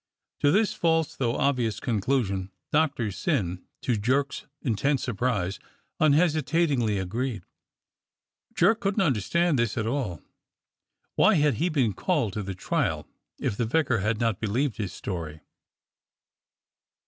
To this false though obvious conclusion Doctor Syn, to Jerk's intense surprise, un hesitatingly agreed. Jerk couldn't understand this at all. Why had he been called to the trial if the vicar 91 92 DOCTOR SYN had not believed his story?